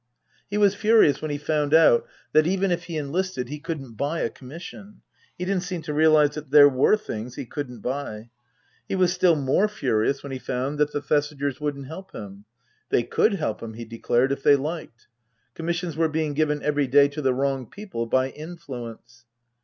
He was furious when he found out that, even if he enlisted, he couldn't buy a commission. He didn't seem to realize that there were things he couldn't buy. He was still more furious when he found that the Thesigers wouldn't help him. They could help him, he declared, if they liked. Commissions were being given every day to the wrong people, by influence.